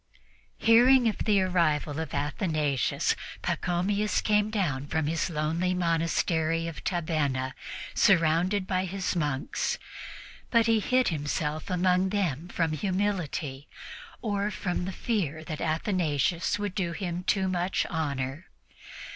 Hearing of the arrival of Athanasius, Pachomius came down from his lonely monastery of Tabenna, surrounded by his monks; but he hid himself among them from humility, or from the fear that Athanasius would do him too much honor.